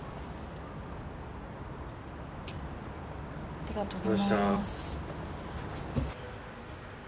ありがとうございます。